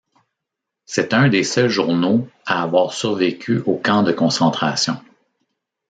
C'est un des seuls journaux à avoir survécu aux camps de concentration.